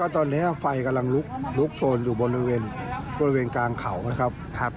ตอนนี้ไฟกำลังลุกโชนอยู่บริเวณกลางเขานะครับ